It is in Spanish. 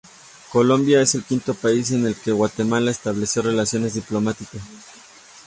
Colombia es el quinto país con el que Guatemala estableció relaciones diplomáticas.